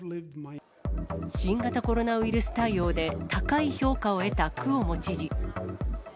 新型コロナウイルス対応で、高い評価を得たクオモ知事。